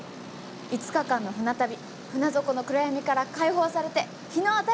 ５日間の船旅船底の暗闇から解放されて日の当たる世界へ！